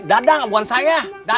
dadang bukan saya